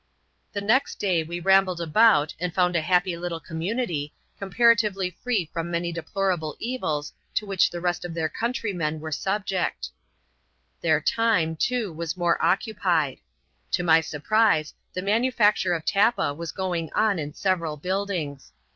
The next day we rambled about, and found a happy little community, comparatively free from many deplorable evils to which the rest of their countrymen are a\x\)^e«X, "YVjl^yc 'cssafc^ 240 ADVENTURES IN THE SOUTH SEAS. [cOAF. laaec too, was more occupied. To my surprise, the manufacture of tappa was going on in several buildings.